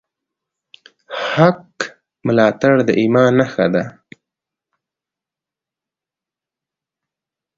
د حق ملاتړ د ایمان نښه ده.